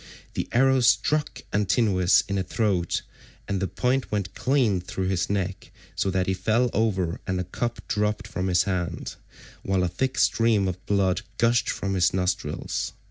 The arrow struck Antinous in the throat, and the point went clean through his neck, so that he fell over and the cup dropped from his hand, while a thick stream of blood gushed from his nostrils.